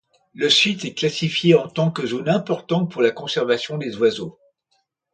Le site est classifié en tant que zone importante pour la conservation des oiseaux.